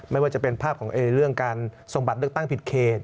ไม่ว่าจะเป็นภาพของเรื่องการส่งบัตรเลือกตั้งผิดเขต